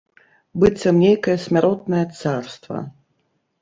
Быццам нейкае смяротнае царства.